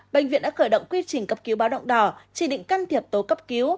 bệnh viện đã khởi động quy trình cấp cứu báo động đỏ chỉ định can thiệp tố cấp cứu